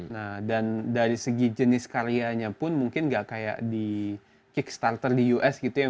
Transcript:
nah dan dari segi jenis karyanya pun mungkin gak kayak di kick starter di us gitu ya